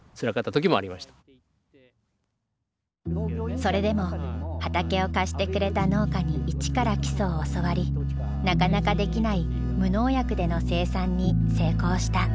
それでも畑を貸してくれた農家に一から基礎を教わりなかなかできない無農薬での生産に成功した。